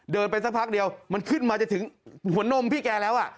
ไปสักพักเดียวมันขึ้นมาจะถึงหัวนมพี่แกแล้ว